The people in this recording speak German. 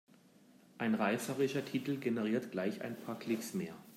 Ein reißerischer Titel generiert gleich ein paar Klicks mehr.